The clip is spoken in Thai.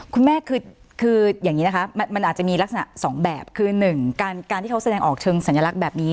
คุณแม่คืออย่างนี้นะคะมันอาจจะมีลักษณะสองแบบคือ๑การที่เขาแสดงออกเชิงสัญลักษณ์แบบนี้